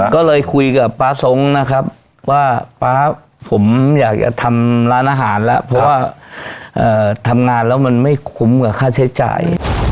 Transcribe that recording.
ก็เลยคุยกับป๊าทรงนะครับว่าป๊าผมอยากจะทำร้านอาหารแล้วเพราะว่าทำงานแล้วมันไม่คุ้มกับค่าใช้จ่าย